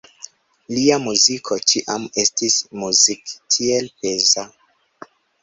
Lia muziko ĉiam estis Musik tiel peza.